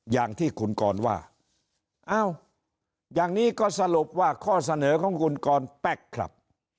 อย่างที่คุณกรว่าเอ้าอย่างนี้ก็สรุปว่าข้อเสนอของคุณกรแป๊กครับ